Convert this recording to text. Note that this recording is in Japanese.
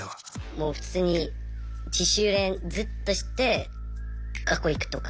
もう普通に自主練ずっとして学校行くとか。